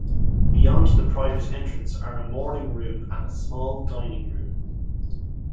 Beyond the private entrance are a morning room and a small dining room.